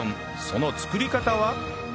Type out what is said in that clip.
その作り方は？